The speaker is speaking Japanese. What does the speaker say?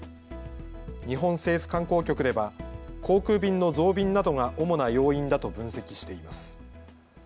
日本政府観光局では航空便の増便などが主な要因だと分析しています。